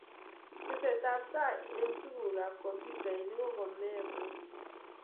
teset ab tai eng tuguk ab komputainik ko kemee pororiet